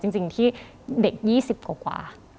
จริงที่เด็ก๒๐กว่า